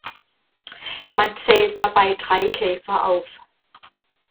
Man zählt dabei drei Käfer auf.